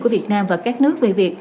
của việt nam và các nước về việc